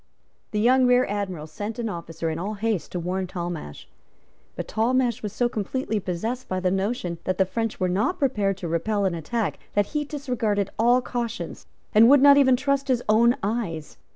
The young Rear Admiral sent an officer in all haste to warn Talmash. But Talmash was so completely possessed by the notion that the French were not prepared to repel an attack that he disregarded all cautions and would not even trust his own eyes.